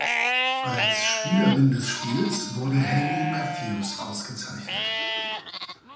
Als Spielerin des Spiels wurde Hayley Matthews ausgezeichnet.